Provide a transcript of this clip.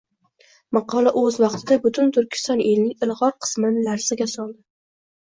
Maqola o'z vaqtida butun Turkiston elining ilg'or qismini larzaga soldi